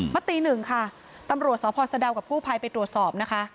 มาตีหนึ่งค่ะตำรวจสพสะดาวกับกู้ภัยไปตรวจสอบนะคะ